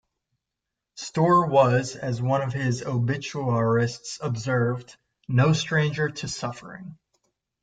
Storr was, as one of his obituarists observed, "no stranger to suffering".